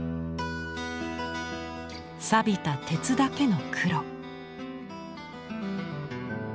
さびた鉄だけの黒。